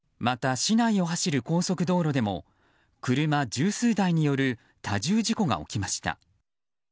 また、市内を走る高速道路でも車十数台による多重事故が起きました。